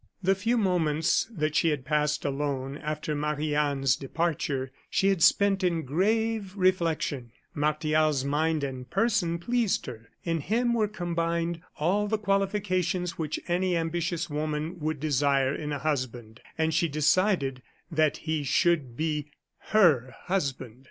The few moments that she had passed alone, after Marie Anne's departure, she had spent in grave reflection. Martial's mind and person pleased her. In him were combined all the qualifications which any ambitious woman would desire in a husband and she decided that he should be her husband.